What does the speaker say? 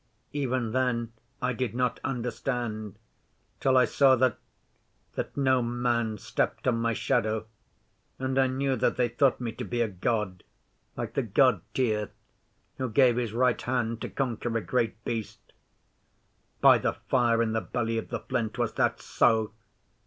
'Even then I did not understand, till I saw that that no man stepped on my shadow; and I knew that they thought me to be a God, like the God Tyr, who gave his right hand to conquer a Great Beast.' 'By the Fire in the Belly of the Flint was that so?